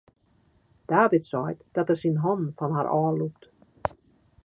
David seit dat er syn hannen fan har ôflûkt.